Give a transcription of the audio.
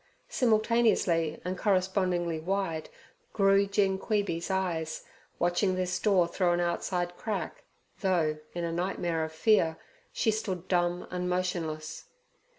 Simultaneously and correspondingly wide grew Gin Queeby's eyes watching this door through an outside crack, though, in a nightmare of fear, she stood dumb and motionless.